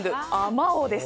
まおうです。